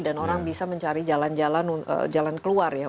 dan orang bisa mencari jalan jalan keluar ya